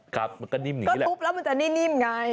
ก็ทุบแล้วมันจะนิ่มไง